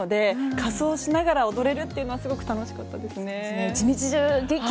仮装しながら踊れるっていうのはすごく楽しかったですね。